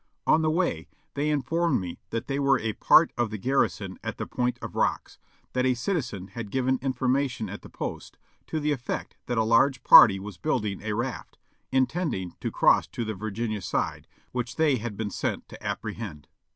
On the way they informed me that they were a part of the garrison at the Point of Rocks ; that a citizen had given information at the post to the effect that a large party was building a raft, intending to cross to the Virginia side, which they had been sent to apprehend.